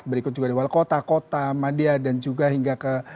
berikut juga di wali kota kota madia dan juga hingga ke